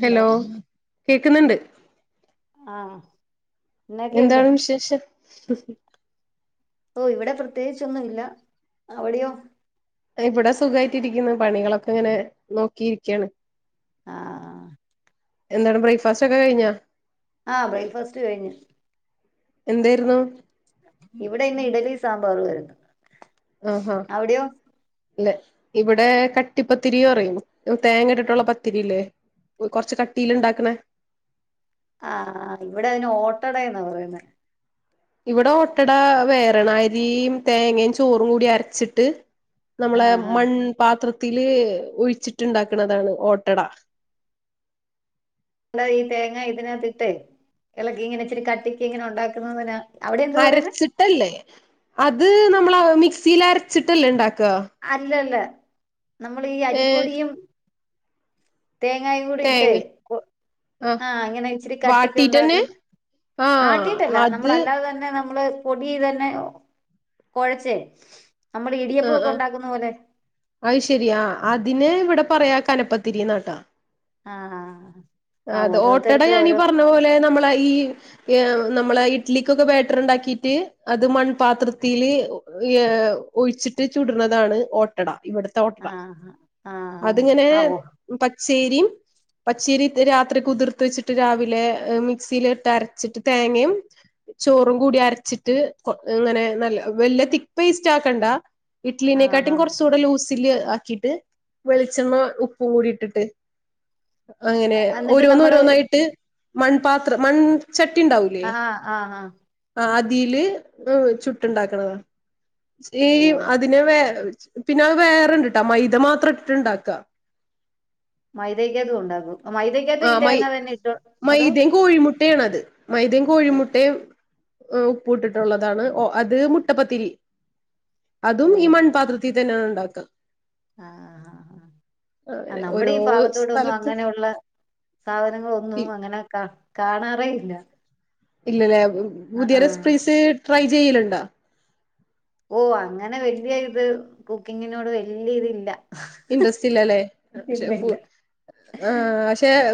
Hello കേക്കുന്നുണ്ട് ആഹ് എന്നൊക്കെയുണ്ട് എന്താണ് വിശേഷം [inaudible] ഓ ഇവിടെ പ്രത്യേകിച്ചൊന്നും ഇല്ല അവടെയോ എ ഇവിടെ സുഖവായിട്ടിരിക്കുന്നു പണികളൊക്കെ ഇങ്ങനെ നോക്കിയിരിക്കാണ് ആഹ് എന്താണ് ബ്രേക്ക്ഫാസ്റ്റൊക്കെ കഴിഞ്ഞോ ആ ബ്രേക്ക്ഫാസ്റ്റ് കഴിഞ്ഞു. എന്തേര്ന്നു? ഇവിടെ ഇന്ന് ഇഡലി സാമ്പാറു ആയിരുന്നു. അഹ. അവിടെയോ ല്ലെ, ഇവിടെ കട്ടിപ്പത്തിരീറയും, തേങ്ങ ഇട്ടിട്ടുള്ള പത്തിരില്ലേ? കൊറച്ച് കട്ടീല് ഇണ്ടാക്ക്‌ണേ. ആ ഇവിടെ അതിന് ഓട്ടടയെന്നാ പറയുന്നെ. ഇവിടെ ഒട്ടട വേറെണ് അരീയും, തേങ്ങയും ചോറും കൂടി അരച്ചിട്ട്. നമ്മളെ ആഹ് ആഹ് മൺ പാത്ര ത്തില് ഒഴിച്ചിട്ടുണ്ടാക്ക്‌ണതാണ് ഓട്ടട. എല്ല ഈ തേങ്ങ ഇതിനകത്തിട്ട് എ ളക്കിങ്ങനെ ഇച്ചിരി കട്ടിക്ക് ഇങ്ങനെ ഉണ്ടാക്കുന്നതിനാ അവിടെ എന്ത് പറയുന്നെ അരച്ചിട്ടല്ലേ അ അത് നമ്മൾ മിക്സിൽ അരച്ചിട്ടല്ലേ ഇ ണ്ടാ അല്ലല്ല നമ്മൾ ഈ ഏ അരിപ്പൊടിയും തേങ്ങായും കൂടി ഇട്ട് തേങ്ങ ആ ഇങ്ങനെ ഇച്ചിരി കട്ടിക്ക് ഉണ്ടാക്കു വാട്ടീട്ടന്നെ ആ ആട്ടീട്ടല്ല അത് നമ്മളല്ലാതെതന്നെ നാം പ്പ് പൊടീതന്നെ കൊഴച്ചേ നമ്മുടെ ആ ഇടിയപ്പോ ആ അയ് ശരി അ അതിന് ഇവടെ പറയാ കനപ്പത്തിരിന്നാട്ടോ ആ അത് ഓട്ടട ഞാനീ പറഞ്ഞ പോലെ നമ്മളെ ഈ ഏ നമ്മളെ ഇഡ്ലിക്കൊക്കെ ബേറ്റർ ണ്ടാക്കിട്ട് അത് മൺപാത്രത്തില് ഏ ഒഴിച്ചിട്ട് ചുടുണതാണ് ഓട്ടട ഇവടത്തെ ഓട്ടട ആഹ് ആഹ് അതങ്ങനെ ആഹ് ഓ പ ശേരിം പച്ചേരി രാത്രി കുതിർത്ത് വെച്ചിട്ട് രാവിലെ മിക്സിൽ ഇട്ട് അരച്ചിട്ട് തേങ്ങയും ചോറും കൂടി അരച്ചിട്ട് അങ്ങനെ നല്ല വല തിക്ക് പേസ്റ്റ് ആക്കണ്ട ആഹ് ആഹ് ഇറ്റ്ലിനെക്കട്ടും കുറച്ച കൂ ലൂ ചല് ആക്കിട്ട് വെളിച്ചെണ്ണ ഉപ്പ കൂടി ഇട്ടിട്ട് അങ്ങനെ എന്നിട്ട് ഓരോന്ന് നമ്മള് ഓരോന്നായിട്ട് മൺപാത്ര മൺ ചട്ടി ഉണ്ടാവൂലേ ആഹ് ആഹ് ആഹ് ആ രീതിൽ ചുട്ടുണ്ടാക്കണതാ ഈ ഓ അതിനെ വേ പിന്നെ വേറെണ്ട്ട്ടാ മൈദ മാത്രം ഇട്ടിട്ടുണ്ടാക്ക മൈതയ്ക്ക് അതും ഉണ്ടാകും മൈതക്കകത്ത ഈ ആഹ് തേങ്ങ തന്നെ ഇട്ടു അതോ എണത് മൈദയും ഓ കോഴിമുട്ടയും ആ ഉപ്പട്ടിട്ടുള്ളതാണ് ഓ അത് മുട്ടപ്പത്തിരി അതും ഈ മൺപാത്രത്തിൽ തന്നെ ഉണ്ടകും ആ ആഹ് ആ ആ അങ്ങനെ നമ്മുടെ ഓരോ ഈ ഭാഗത്തോടെ ഒന്നും സ്ഥലത്ത് അങ്ങനെയുള്ള സാധനങ്ങളൾ ഒന്നും അങ്ങനെൊക്കെ കാണാറേ ഇല്ല ഇല്ലല്ലേ ആഹ് ഉദയര ആഹ് സ്പ്രീസ ട്രൈ ചെയ്യലുണ്ട ഓ അങ്ങനെ വല്യ ഇത് കുക്കിങ്ങിനോട് വല്യ ഇതി ഇല്ല ഇൻറ്രസ്റ്റ് ഇല്ലല്ലേെ ഇല്ല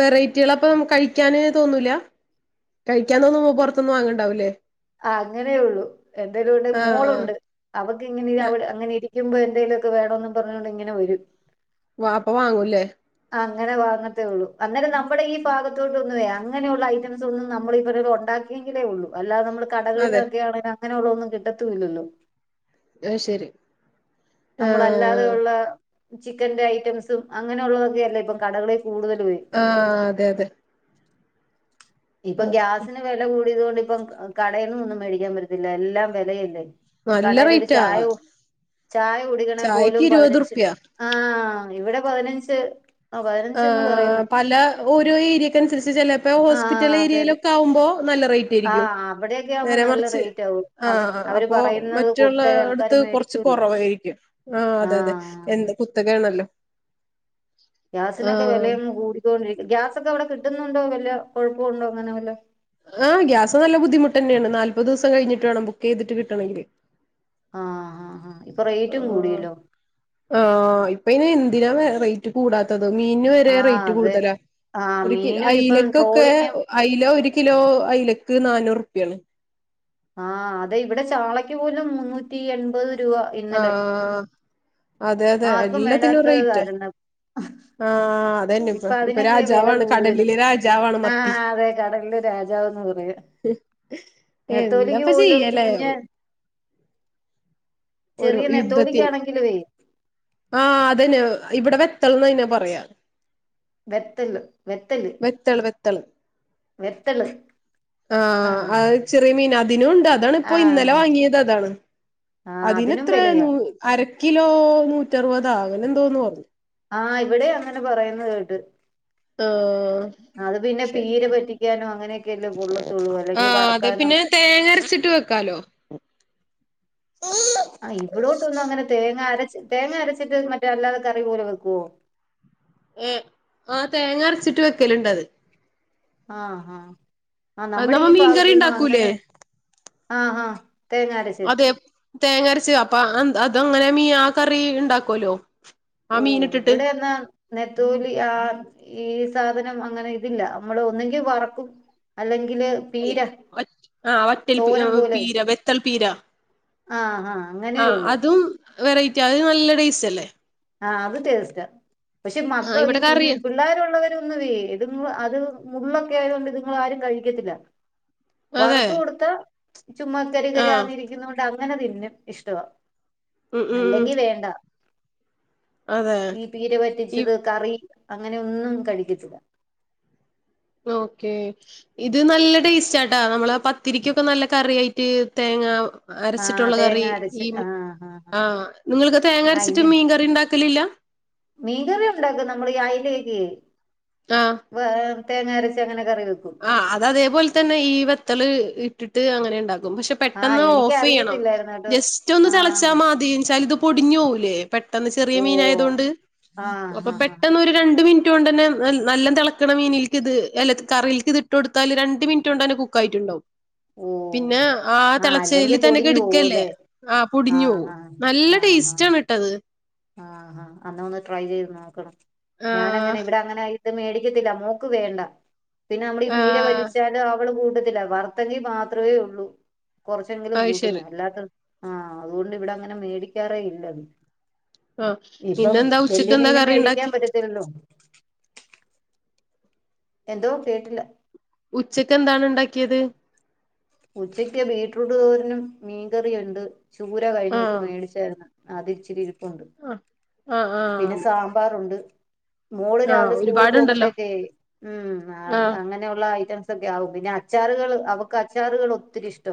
വെറൈറ്റികൾ അപ്പം കഴിക്കാന് തോന്നൂല കഴിക്കാൻ തോന്നുമ്പോ പുറത്തൊന്നും വാങ്ങണ്ടാവൂല്ലേ ആ അങ്ങനെ ഉള്ളു എന്തായാലുംടെ ആഹ് മോളുണ്ട് അവക്ക് ഇങ്ങനെ അങ്ങനെ ഇരിക്കുമ്പോ ന്തലൊക്കെ വേണന്ന് പറഞ്ഞൊണ്ട് ഇങ്ങനെ വരും വ അപ്പൊ വാങ്ങൂല്ലേ അങ്ങനെ വാങ്ങത്തേ ഉള്ളൂ അങ്ങനെ നമ്മുടെ ഈ ഭാഗത്തോട്ട്ൊന്ന വേ അങ്ങനെയുള്ള ഐറ്റംസ് ഒന്നും നമ്മൾ ഉണ്ടാക്കിയെങ്കിലേ ഉള്ളൂ അല്ലാതെ നമ്മുടെ അതെ കടകളിൽൊക്കെ ആണെ അങ്ങനെയള്ള ഒന്നും കിട്ടത്തല്ലല്ലോ ആഹ ശരി നമ്മളല്ലാതെയ ആഹ് ഉള്ള ചിക്കന്റെ ഐറ്റംസും അങ്ങനെയ ഉുള്ളതൊക്കെയ അല്ലേ ഇപ്പം കടകളിൽ കൂടുതലുവേ ആഹ അതെ അതെ ഇപ്പം ഓക്കെ ഗ്യാസിന് വില ഇതുകൊണ്ട് ഇപ്പം കടയും ഒന്നും മേടിക്കാൻ പറ്റത്തില്ല എല്ലാം വിലയല്ലേ നല്ല കടൽൊരു റേറ്റാ ചായ ചായ കുടിക്കണെ ചായക്ക് പോലും ഇരുപത് പതിനഞ്ച് റുപ്യ ആഹ ഇവിടെ പതിനഞ്ച് ആഹ് പതിനഞ്ചെന്ന് പറയുന്നു ആ് പല ഓരോ ഏരിയക്കനുസരിച്ച് ച ഇപ്പോ ആഹ് ഹോസ്പിറ്റൽ അതെ അതെ ഏയയിലക്കെ ആകുമോ നല്ല റേറ്റ് ആയിരിക്കും ആഹ് അവിടെയൊക്കെ ആവുമ്പോ നേരെ നല്ല മറിച്ച് റേറ്റ് ആവും അവർ ആഹ അവര് അപ്പൊ പറയുന്നത് മറ്റുള്ള കൊടുത്ത ആൾക്കാര് അടുത്ത് കുറച്ച് മേടിക്കൂല്ലോ കുറവായിരിക്കും ആ അതെ അതെ ആഹ് എന്ത് കുത്തക ആണല്ലോ ഗ്യാസിനൊക്കെ വിലയും കൂടിക്കൊണ്ടിരിക്ക ഗ്യാസൊക്കെ അവിടെ കിട്ടുന്നുണ്ടോ വലിയ കുഴപ്പമുണ്ടോ അങ്ങനെ വല്ല ആഹ ഗ്യാസ് നല്ല ബുദ്ധിമുട്ട് തന്നെയാണ് നാല്പത് ദിവസം കഴിഞ്ഞിട്ട് വേണം ബുക്ക് ചെയ്തിട്ട് കിട്ടണെങ്കില് ആഹ ആഹ ആഹ ഇപ്പൊ റേറ്റും കൂടിയലോ അപ്പന്നെ എന്തിനാ റേറ്റ് കൂടാത്തത് മീ വരെ ആഹ് റേറ്റ് അതെ കൂടുതല ആഹ് മീനും ഇപ്പം അലക്കൊക്കെ ട്രോളിങ്ങും അ കിലോ അലക്ക് നന്നൂറ് ുപ്യാണ് ആഹ അതെ ഇവിടെ ചാളക്ക് പോലും മുന്നൂറ്റി എൺപത് രൂപ ഇന്നലെ ആഹ് അതെ അതെ ആർക്കും എല്ലാത്തിനും റേറ്റാ വേണ്ടാത്തതായിരുന്നു ആഹ് അതന്നെ ഇപ്പ ഇപ്പൊ അതിനല്ലേ വെല രാജാവാണ് കൂടുതലും. കടലിലെ രാജാവാണ് മത്തി ആഹ് അതെ കടലിലെ രാജാവന്ന് പറയാ. നെത്തോലിക്ക് എന്താപ്പ പോലും ചെയ്യലേ കുഞ്ഞ്, ചെറിയ നെത്തോലിക്കാണെങ്കിലുവേ ആ അതന്നെ ഇവിടെ വെത്തൽന്ന അയിനെ പറയാ വെത്തല്ല് വെത്തള് വെത്തള്. വെത്തള് ആഹ് അ ചെറിയ മീൻ അതിനുണ്ട്. അതാണ് ഇപ്പോ ഇന്നലെ ആഹ് വാങ്ങിയതതാണ്. ആഹ് അതിനും അതിനെത്ര വെലയാ നൂ അരക് കിലോ നൂറ്ററുപതാ അങ്ങനെ എന്തോന്ന് പറഞ്ഞു ആഹ് ഇവിടെ അങ്ങനെ പറയുന്ന കേട്ട് ഓ അത് പിന്നെ ശെ. പീര പറ്റിക്കാനോ അങ്ങനെയൊക്കെയല്ലേ കൊള്ളത്തുള്ളൂ ആ അല്ലെങ്കി അതെ വറക്കാനോ പിന്നെ തേങ്ങരച്ചിട്ട് വെക്കാലോ ആ ഇവിടോട്ടൊന്നും അങ്ങനെ തേങ്ങ അരച്, തേങ്ങ അരച്ചിട്ട് മറ്റേ അല്ലാതെ കറി പോലെ വെക്കുവോ ഏ ആ തേങ്ങരച്ചിട്ട് വെക്കല്ണ്ടത് ആഹ് ഹാ അ നമ്മ മീൻകറി ഇണ്ടാക്കൂലേ ആഹ് ആഹ് തേങ്ങ അരച്ച് അതെ തേങ്ങരച്ച്. അപ്പ അന്ന് അതങ്ങനെ മീ ആ കറി ഇണ്ടാക്ക്വല്ലോ ഓ ഇവിടെയെന്ന നത്തോലി ആ ഈ സാധനം അങ്ങനെ ഇതില്ല നമ്മൾ ഒന്നെങ്കിൽ വറക്കും അല്ലെങ്കി ഒറ്റ് ആ ഒറ്റൽ പി തോരൻ അഹ് പോലെ പീര വേത്തൾ പീര ആഹ് ആഹ് അങ്ങനേ ആഹ് ഉള്ളൂ അതും വെറൈറ്റിയ അതിന് നല്ല ടേസ്റ്റ് അല്ലേ ആഹ് അത് ടെസ്റ്റാ. പക്ഷെ ആഹ് മക്കൾ ഈ ഇവിടെ കറി കുഞ്ഞിങ്ങ് പിള്ളേരുള്ളവരൊന്നുവേ ഇത് അത് മുള്ള [unintelligible] ആയതൊണ്ട് ഇതിങ്ങൾ ആരും കഴിക്കത്തില്ല. അതെ വറുത്ത് കൊടുത്ത ചുമ്മാ ആഹ് കരാകരന്നിരിക്കുനോണ്ട അങ്ങനെ തിന്നും ഇഷ്ടവാ ഉം ഉം അല്ലെങ്കി വേണ്ട അതെ ഈ പീരെ ഈ വറ്റിച്ചത് കറി അങ്ങനെ ഒന്നും കഴിക്കത്തില്ല. ഓക്കേ ഇത് നല്ല ടേസ്റ്റ് ആട്ടാ നമ്മളാ പത്തിരിക്കൊക്കെ നല്ല കറിയായിട്ട് തേങ്ങാ ആഹ് അരച്ചിട്ടുള്ള തേങ്ങ കറി അരച്ച് ഈ ആഹ് ആഹ് ആ നിങ്ങൾക്ക് തേങ്ങ അരച്ചിട്ട് അയില മീൻ കറി ഇണ്ടാക്കലില്ല [unintelligible] വാഹ് തേങ്ങരച്ച് അങ്ങനെ കറി വെക്കും ആഹ് അത് അതേ പോലെ തന്നെ ഇവത്ത് ത്തൾ ഇട്ടിട്ട് അങ്ങനെ ഇണ്ടാക്കും പഷേ ആഹ് പെട്ടന്ന് എനിക്ക് ഓഫെയണം അറിയത്തില്ലായിരുന്നു കേട്ടോ ജസ്റ്റ്‌ ഒന്ന് തെളച്ച ആഹ് മതീന്ന്യ്ച്ചാല് ഇത് പൊടിഞ്ഞോവൂലെ പെട്ടെന്ന് ചെറിയ ഓ മീൻ ആയതൊണ്ട് ആഹ് അപ്പൊ ആഹ് ആഹ് പെട്ടെന്ന് ഒരു രെണ്ട്‌ മിൻ റ്റോണ്ടന്നെ നല്ല തെളക്കണ മീനിൽക്ക് ഇത് എലത് കറീൽക്ക് ഇട്ട് കൊടുത്താല് രണ്ട് മിൻറ്റ് കൊണ്ട് തന്നെ കുക്കായിയിട്ടുണ്ടാവും ഓ പിന്നെ ആ ആഹ് തിളച്ചേയില് അല്ലെങ്കിൽ തന്നെ പൊടിഞ്ഞു കേട്കയല്ലേ പോകൂല്ലേ ആ പൊടിഞ്ഞോവും ആഹ് നല്ല ടേസ്റ്റ് ആണ്‌ട്ടാത് ആഹഹാ അന്ന ഒന്ന് ട്രൈ ചെയ്ത് നോക്കണം. ആഹ് ഞാനങ്ങനെ ഇവിടെ അങ്ങനെ ഈ ഇത് മേടിക്കത്തില്ല മോക്ക് വേണ്ട. പിന്നെ നമ്മള് ഈ പീരെ ആഹ് വറ്റിച്ചാല് അവള് കൂ കൂട്ടത്തില്ല വർത്തമീൻ മാത്രവെ ഉള്ളൂ. കൊറേചെങ്കിലും അത് കൂട്ടുന്നെ ശരി അല്ലാത്തത് ആഹ അത്കൊണ്ട് ഇവിടെ അങ്ങനെ മേടിക്കാറേ ഇല്ലത്. ആഹ് ഇപ്പം ഇന്നെന്താ ഉച്ചക്ക് എന്താ വെല്ല്യമീനും കറി മേടിക്കാൻ ഉണ്ടാക്കി പറ്റത്തില്ലല്ലോ. എന്തോ കേട്ടില്ല ഉച്ചക്ക്െന്താണ് ഉണ്ടാക്കിയത് ഉച്ചയ്ക്ക് ബീറ്റ്രൂട്ട് തോരനും മീൻകറിയുണ്ട് ചൂര കഴിഞ്ഞ ദിവസം ആഹ് മേടിച്ചായിരുന്നു അതിരിച്ചിരി ഇരിപ്പുണ്ട് ആഹ് ആഹ് പിന്നെ ആഹ് സാമ്പാറുണ്ട് മോള് ആഹ് രാവിലെ സ്കൂളിൽ ഒരുപാടുണ്ടല്ലോ പോകുമ്പത്തേക്കേ ഉ ആഹ് അങ്ങനെയുള്ള ഐറ്റം ക്കെ ആുംന്നെ അച്ചാറുകൾ അവക്ക അച്ചാറുകൾ ഒത്തിരി ഇഷ്ട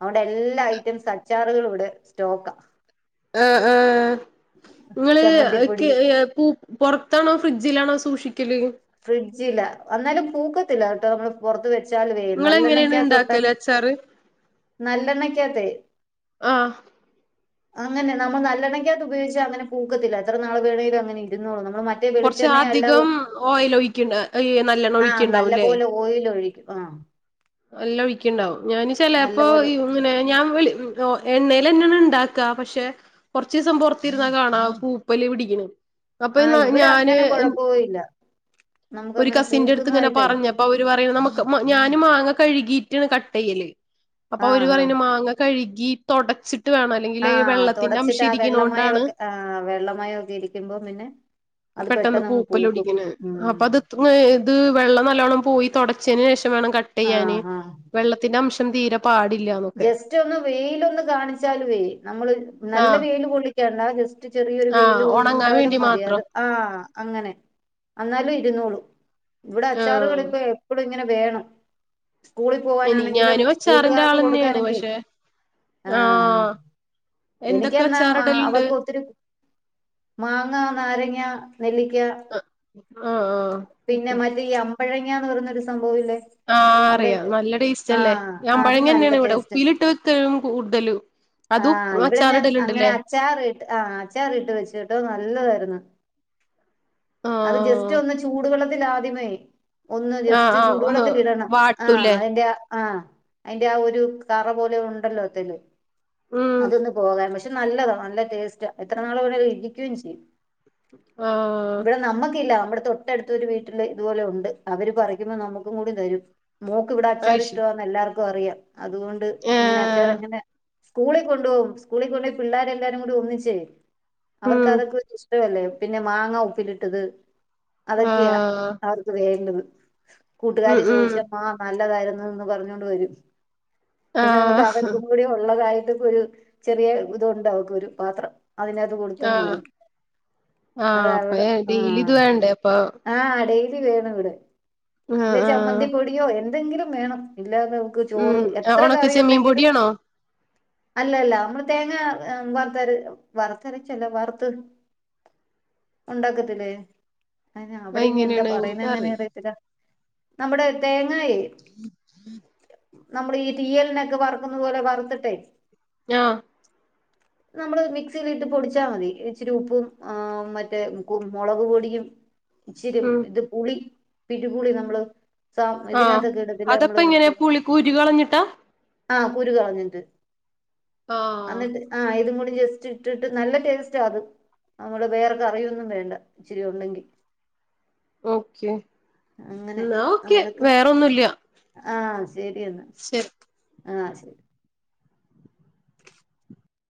അതൊണ്ട എല്ലാ ഐറ്റംസ് അച്ചാറുകള ഇവിടെ സ്റ്റോക്കാ ആ ആങ ചമ്മന്തിപ്പൊടി നിങ്ങള്ക്ക പൊറത്താണോ ഫ്രിഡ്ജ ജിലാണോ സൂക്ഷിക്കല് ഫ്രിഡ്ജില്ല എന്നന്നാലും പൂക്കത്തില്ല കേട്ട് നമ്മൾ പുറത്ത് വ നിങ്ങള് എങ്ങനെയാണ് നല്ലെണ്ണക്കാത്തോ ഉണ്ടാക്കല് അച്ചാറ് നല്ലെണ്ണക്കാത്തെ ആഹ് അങ്ങനെ നമ്മൾ നല്ലെണക്കാകത്ത് ഉപയോഗിച്ചാ അങ്ങനെ പൂക്കത്തില്ല എത്ര നാൾ വേണമെങ്കിലും അങ്ങനെരുന്നള്ളൂ നമ്മ മറ്റേ വെളിച്ചെണ്ണയും അല്ല ഓയില് ഒഴിക്കിണ്ട നല്ലെണ്ണ ആഹ് ഒഴിക്കെണ്ടാവുല്ലേ നല്ലപോലെ ഓയിൽ ഒഴിക്കും ആഹ് ല്ലോ ഴിക്കേണ്ടാവും ഞാനും ചെലപ്പോ നല്ലപോലെ ഇങ്ങിനെ ഞാൻ ഒ ഇങ് ഒ എണ്ണൽന്നാണ് ഉണ്ടാക്ക പക്ഷെ കൊറച്ച ദിവസം പൊറത്തിരുന്നാ കാണാം പൂപ്പല് പിടിക്കണ അപ്പൊാ ആഹ് ഇവിടെ ഞാന് അങ്ങനെ കുഴപ്പവുമില്ല നമുക്ക് ഒരു അങ്ങനെ കസിന്റെ അടുത്ത് ഇങ്ങനെ പൂക്കുന്നതായിട്ടേ പറഞ്ഞപ്പ അവര് പറയണ് ഞാനും മാങ്ങ കഴുകിയിട്ടാണ് കട്ട് ചെയ്യല് അപ്പൊ അവര് പറയുന്ന മാങ്ങ കഴി ഈ ത്തൊടച്ചി ആ തുടച്ചിട്ട് ആ ഇരിക്ക്ണോണ്ടാണ് വെള്ളമായഴക്കെ ആ വെള്ളമായഴ ഒക്കെ ഇരിക്കുമ്പോം പിന്നെ അത് പെട്ടെന്ന് പെട്ടെന്നങ്ങ് പൂക്കും പൂപ്പാല്ലോടിക്കുണ് അപ്പ ഉം അത് ഇത് വെള്ളം നല്ലവണ്ണം പോയി തുടച്ചന് ശേഷാ വണം കട്ട് ചെയ്യാന് ആഹ് ആഹ് വെള്ളത്തി സംീര ജസ്റ്റ് ഒന്ന് വെയിലൊന്ന് കാണിച്ചാല വേ നമ്മള് നല്ല ആഹ് വെയിയില് പൊള്ളിക്കണ്ടാ ജസ്റ്റ് ചെറിയൊരു ആഹ് വെയില് ഒണങ്ങാൻ കൊണ്ടാലും വേണ്ടി മതി അത് മാത്രം ആഹ അങ്ങനെ എന്നാലും ഇരുന്നോളൂ ഇവിടെ ആഹ് അച്ചാറുകളളിപ്പോ എപ്പോഴും ഇങ്ങനെ വേണം സ്കൂളിൽ ഇനി പോകാനാണെങ്കിലും ഞാനും അച്ചാറിന്റെ കൂട്ടുകാർക്ക് കൊടുക്ക ആളെന്നെയാണ് നെക്കെ പക്ഷെ ആ ആ ആഹ് എന്തൊക്കെ എനിക്കന്നാ അച്ചാറിടലുണ്ട് അവൾക്ക് ഒത്തിരി ആഹ് ആഹ് അമ്പഴങ്ങാന്നു പറയുന്നൊരു സം പോവില്ലേ ആഹ് അവിടെയൊക്കെ അറിയാം നല്ല ടേസ്റ്റ് ആ അല്ലേ അത് ഞാമ്പഴങ്ങ നല്ലത് തന്നെയാണ് ഇവിടെ ടേസ്റ്റ്. ഉപ്പിലിട്ട് വെക്കും കൂടുതലും ‌ ആ അതും ഇവിടെ ഞാൻ അങ്ങനെ അച്ചാറിടലുണ്ടല്ലേ അച്ചാറിട്ട് ആ അച്ചാറിട്ട് വെച്ച് കേട്ടോ നല്ലതായിര്ന്ന് അത് ആഹ് ജസ്റ്റ് ഒന്ന് ചൂടുവെള്ളത്തിൽ ആദ്യമേ ഒന്ന് ആഹ് ജസ്റ്റ് ആഹ് ഒന്ന് ചൂടുവെള്ളത്തിലിടണം. ആ വാട്ടൂലേ അതിന്റെ ആ അതിന്റെ ആ ഒരു തറ പോലെ ഉണ്ടല്ലോ [unintelligible] ഉം അതൊന്ന് പോകാൻ പക്ഷെ നല്ലതാ നല്ല ടേസ്റ്റ്. എത്ര നാള് വേണേൽ ഇരിക്കും ചെയ്യും ആഹ് ഇവിടെ നമ്മക്കില്ല ഇവിടെ തൊട്ടടുത്തൊരു വീട്ടില് ഇതുപോലെ ഉണ്ട് അവര് പറിക്കുമ്പം നമ്മക്കും കൂടി തരും മോക്ക് ഇവിടെ അച്ചാറ് അയ്ശെ ഇഷ്ടവാന്ന് എല്ലാർ ക്കു അറിയാ അതുകൊണ്ട് ഇങ്ങനെ ഏഹ് അച്ചാറിങ്ങനെ സ്കൂളിൽ കൊണ്ട്പോവും സ്കൂളിൽ കൊണ്ട്പോയി പിള്ളേരെ എല്ലാരും കൂടി ഒന്നിച്ചേ അവർക്ക് ഉം അതൊക്കെ ഒരു ഇഷ്ടവല്ലേ പിന്നെ മാങ്ങ ഉപ്പിലിട്ടത് അതൊക്കെയാ ആഹ് അവർക്ക് വേണ്ടത് ഉം കൂട്ടുകാര് ഉം ചോദിച്ചമ്മാ, നൽ നല്ലതായിരുന്നുന്ന് പറഞ്ഞോണ്ട് വരും. പിന്നെ നമക്ക് ആഹ് അവർക്കും കൂടി ഉള്ളതായി. ഒരു ചെറിയ ഇതുണ്ട് അവക്ക് ഒരു പാത്രം. അതിനകത്ത് കൊടുത്തങ് ആഹ് വിടും ആഹ് അപ്പൊ അതവിടെ ആ ഡെയിലി ഇത് വേണ്ടേ അപ്പൊ ആ അടയി ത്തിരി വേണംഇവിടെ. ആഹ് പിന്നെ ആഹ് ചമ്മന്തി പൊടിയോ എൻ എന്തെങ്കിലും വേണം. അല്ലാതെ അവക്ക് ചോറ്. എത്ര ഉണക്കെച്ചെമ്മിൻ കറിയുണ്ടെങ്കിലും പൊടിയണോ അല്ലല്ല നമ്മള് തേങ്ങ വർത്തര വറുത്തരച്ചല്ല വറുത്ത് ഉണ്ടാക്കത്തില്ലേ അയിനാ അവിടെ ഇനി എന്താ അതെങ്ങനെയാണ് പറയുന്നന്നെ എനിക്കറിയില്ല അറിയത്തില്ല നമ്മുടെ തേങ്ങായെ നമ്മളീ തിയൽനൊക്കെ വറക്കുന്നത് പോലെ വറുത്തിട്ടെ ആഹ് നമ്മള് മിക്സിയിലിട്ട് പൊടിച്ചാൽ മതി ഇച്ചിരി ഉപ്പും ആഹ് മറ്റേ മുളക് പൊടിയും ഇച്ചിരി ഉം ഇത് പുളി പിഴി പുളി നമ്മള് സാം ഇതിനാത്തൊക്കെ ഇടത്തില്ലേ നമ്മള് കുരുകളഞ്ഞിട്ടാ ആഹ് കുരു കളഞ്ഞിട്ട് ആഹ് അഅന്നിട് ആഹ് ഇതും കൂടി ജസ്റ്റ് ഇട്ടിട്ട് നല്ല ടേസ്റ്റാത് നമ്മുടെ വേറെക്കെ കറിയൊന്നും വേണ്ട ഇച്ചിരി ഉണ്ടെങ്കി ഓക്കെ അങ്ങനെ എന്നാ ഓക്കെ വേറെന്നുംല്ല ശരിയന്ന് ആഹ് ശരി